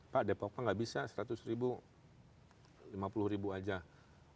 pak depoknya nggak bisa seratus ribu lima puluh ribu aja